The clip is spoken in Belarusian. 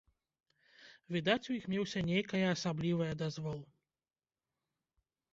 Відаць, у іх меўся нейкае асаблівае дазвол.